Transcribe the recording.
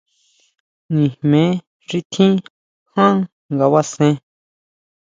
Nijme xi tjín jan ngabasen.